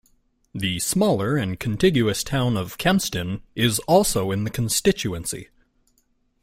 The smaller and contiguous town of Kempston is also in the constituency.